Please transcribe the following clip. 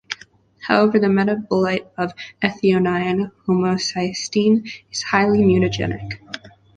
However the metabolite of ethionine, homocysteine, is highly mutagenic.